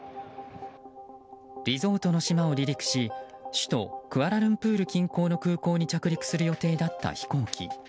リゾートの島を離陸し首都クアラルンプール近郊の空港に着陸する予定だった飛行機。